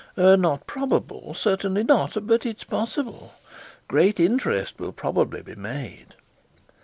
Not probable; certainly not; but it's possible. Great interest will probably be made.